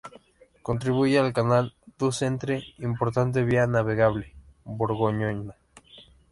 Contribuye al "Canal du Centre", importante vía navegable borgoñona.